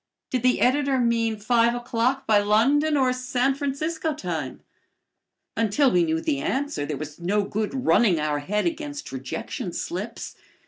Did the editor mean five o'clock by London or San Francisco time? Until we knew the answer there was no good running our head against rejection slips.